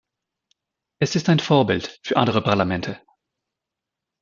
Es ist ein Vorbild für andere Parlamente.